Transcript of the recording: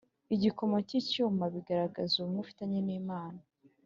igikomo cy’icyuma, bigaragaza ubumwe ufitanye n’imana